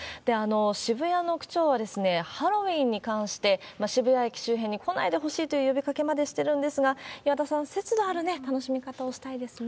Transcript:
渋谷の区長は、ハロウィーンに関して、渋谷駅周辺に来ないでほしいという呼びかけまでしてるんですが、岩田さん、節度ある楽しみ方をしたいですね。